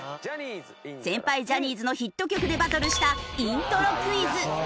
先輩ジャニーズのヒット曲でバトルしたイントロクイズ。